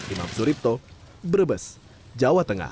imam suripto brebes jawa tengah